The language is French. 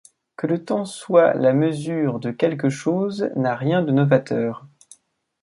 Que le temps soit la mesure de quelque chose n'a rien de novateur.